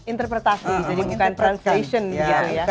interpretasi jadi bukan translation gitu ya